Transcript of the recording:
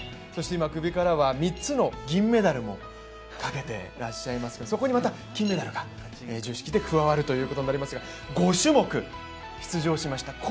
今、首からは３つの銀メダルもかけていらっしゃいますけどそこにまた金メダルが授与式で加わることになりますが５種目、出場しました。